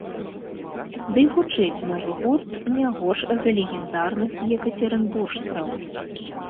Дый гучыць новы гурт не горш за легендарных екацерынбуржцаў.